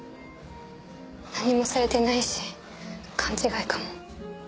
何もされてないし勘違いかも。